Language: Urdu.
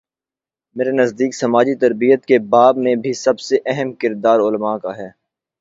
میرے نزدیک سماجی تربیت کے باب میں بھی سب سے اہم کردار علما کا ہے۔